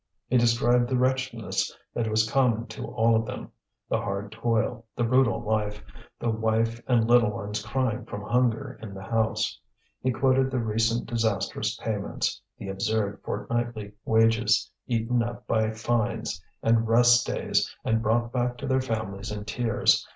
He described the wretchedness that was common to all of them, the hard toil, the brutal life, the wife and little ones crying from hunger in the house. He quoted the recent disastrous payments, the absurd fortnightly wages, eaten up by fines and rest days and brought back to their families in tears.